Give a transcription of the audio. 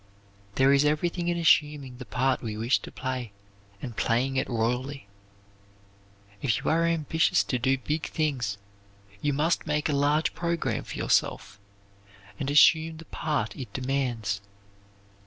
There is everything in assuming the part we wish to play, and playing it royally. If you are ambitious to do big things, you must make a large program for yourself, and assume the part it demands.